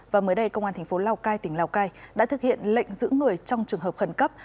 và mới đây công an thành phố lào cai tỉnh lào cai đã thực hiện lệnh giữ người trong trường hợp khẩn cấp